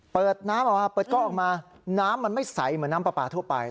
เปิดน้ำออกมาเปิดกล้องออกมาน้ำมันไม่ใสเหมือนน้ำปลาปลาทั่วไป